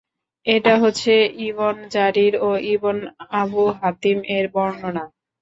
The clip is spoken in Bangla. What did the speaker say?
এটা হচ্ছে ইবন জারীর ও ইবন আবূ হাতিম-এর বর্ণনা।